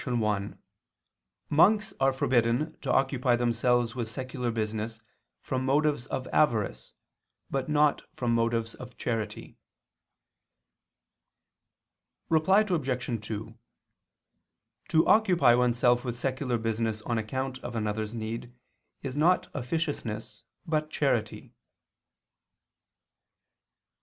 1: Monks are forbidden to occupy themselves with secular business from motives of avarice, but not from motives of charity. Reply Obj. 2: To occupy oneself with secular business on account of another's need is not officiousness but charity.